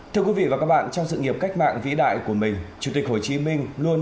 thưa quý vị và các bạn trong sự nghiệp cách mạng vĩ đại của mình chủ tịch hồ chí minh luôn